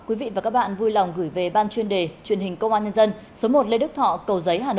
cảm ơn các bạn vui lòng gửi về ban chuyên đề truyền hình công an nhân dân số một lê đức thọ cầu giấy hà nội